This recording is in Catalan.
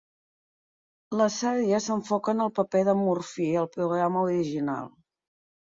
La sèrie s'enfoca en el paper de Murphy al programa original.